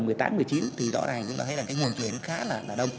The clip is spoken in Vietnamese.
thì rõ ràng chúng ta thấy là cái nguồn chuyển khá là đông